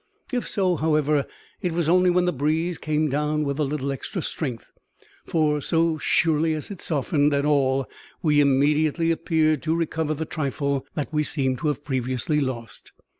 If so, however, it was only when the breeze came down with a little extra strength; for so surely as it softened at all we immediately appeared to recover the trifle that we seemed to have previously lost.